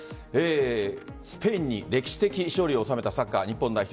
スペインに歴史的勝利を収めたサッカー日本代表。